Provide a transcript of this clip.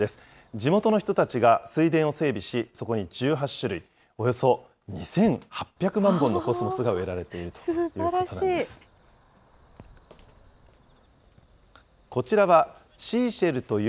地元の人たちが水田を整備し、そこに１８種類、およそ２８００万本のコスモスが植えられているということなんですばらしい。